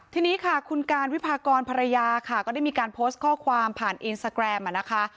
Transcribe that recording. ทีนี้ค่ะคุณการวิพากรภรรยาค่ะก็ได้มีการโพสต์ข้อความผ่านอินสตาแกรมนะคะ